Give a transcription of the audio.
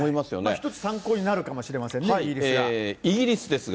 一つ参考になるかもしれませんね、イギリスが。